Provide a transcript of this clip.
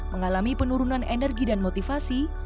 mengalami penurunan energi dan motivasi